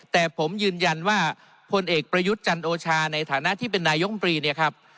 แต่ผมยืนยันว่าพลเอกประยุทธ์จันโอชาในฐานะที่เป็นนายมตรีเนี่ยครับ